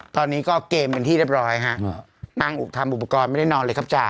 ตอนนี้ก็เกมเป็นที่เรียบร้อยฮะนั่งอุกทำอุปกรณ์ไม่ได้นอนเลยครับจ้